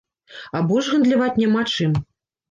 А больш гандляваць няма чым.